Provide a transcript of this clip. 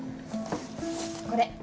これ。